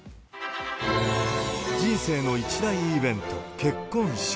人生の一大イベント、結婚式。